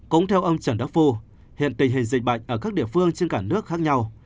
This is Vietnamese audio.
cũng theo ông trần đắc phu hiện tình hình dịch bệnh ở các địa phương trên cả nước khác nhau